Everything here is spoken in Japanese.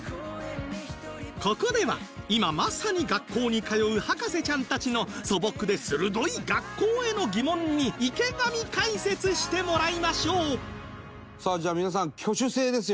ここでは今まさに学校に通う博士ちゃんたちの素朴で鋭い学校への疑問に池上解説してもらいましょうさあじゃあ皆さん挙手制ですよ。